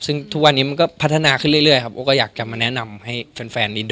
ซึ่งทุกวันนี้มันก็พัฒนาขึ้นเรื่อยครับโอ้ก็อยากจะมาแนะนำให้แฟนนิดน